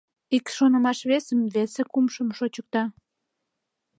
Ик шонымаш весым, весе — кумшым... шочыкта.